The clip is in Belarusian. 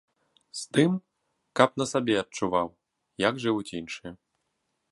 З тым, каб на сабе адчуваў, як жывуць іншыя.